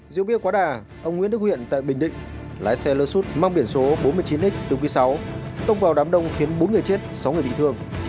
rượu bia quá đà ông nguyễn đức huyện tại bình định lái xe lơ sút mang biển số bốn mươi chín x bốn mươi sáu tông vào đám đông khiến bốn người chết sáu người bị thương